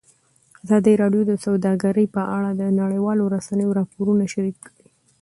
ازادي راډیو د سوداګري په اړه د نړیوالو رسنیو راپورونه شریک کړي.